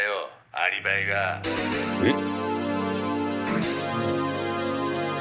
アリバイが」えっ！？